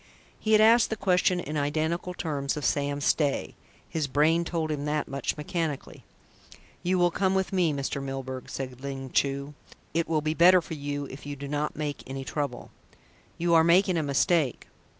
He had asked the question in identical terms of Sam Stay his brain told him that much, mechanically. "You will come with me, Mr. Milburgh," said Ling Chu. "It will be better for you if you do not make any trouble." "You are making a mistake."